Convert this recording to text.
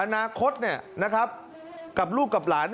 อนาคตกับลูกกับหลาน